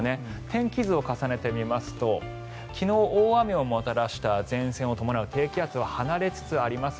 天気図を重ねてみますと昨日、大雨をもたらした前線を伴う低気圧は離れつつあります。